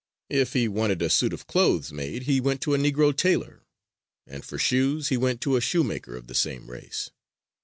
If he wanted a suit of clothes made he went to a Negro tailor, and for shoes he went to a shoemaker of the same race.